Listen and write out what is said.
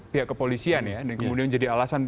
pihak kepolisian ya dan kemudian jadi alasan